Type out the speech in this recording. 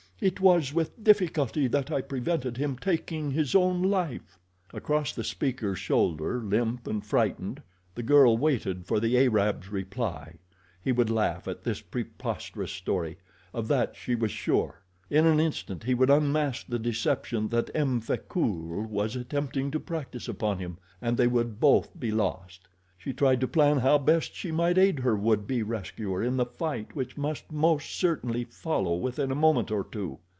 It was with difficulty that I prevented him taking his own life." Across the speaker's shoulder, limp and frightened, the girl waited for the Arab's reply. He would laugh at this preposterous story; of that she was sure. In an instant he would unmask the deception that M. Frecoult was attempting to practice upon him, and they would both be lost. She tried to plan how best she might aid her would be rescuer in the fight which must most certainly follow within a moment or two.